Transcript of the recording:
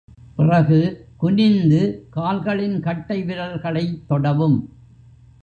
பிறகு, குனிந்து கால்களின் கட்டை விரல்களைத் தொடவும்.